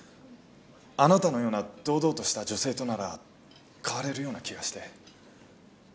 あなたのような堂々とした女性となら変われるような気がして。